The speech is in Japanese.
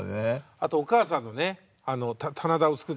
あとお母さんのね棚田をつくる。